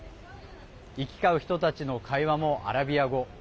行き交う人たちの会話もアラビア語。